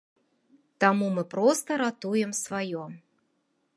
Таму мы проста ратуем сваё.